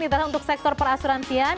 intinya untuk sektor perasuransian